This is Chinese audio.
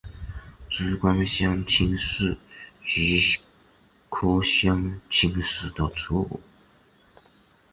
珠光香青是菊科香青属的植物。